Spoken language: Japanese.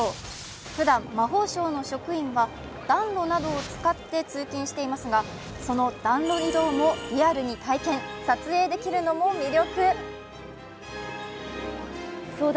ふだん魔法省の職員は暖炉などを使って通勤していますが、その暖炉移動も、リアルに体験、撮影できるのも魅力。